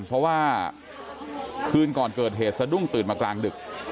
เพราะว่าคืนก่อนเกิดเหตุสะดุ้งตื่นมากลางดึก